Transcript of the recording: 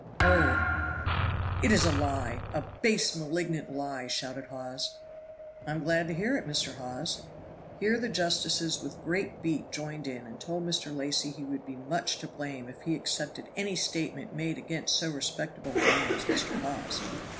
"Oh!" "It is a lie a base, malignant lie!" shouted Hawes. "I am glad to hear it, Mr. Hawes." Here the justices with great beat joined in and told Mr. Lacy he would be much to blame if he accepted any statement made against so respectable a man as Mr. Hawes.